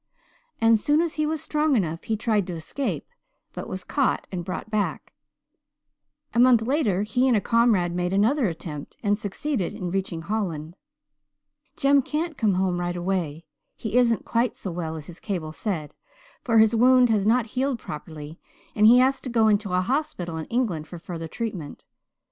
As soon as he was strong enough he tried to escape, but was caught and brought back; a month later he and a comrade made another attempt and succeeded in reaching Holland. "Jem can't come home right away. He isn't quite so well as his cable said, for his wound has not healed properly and he has to go into a hospital in England for further treatment.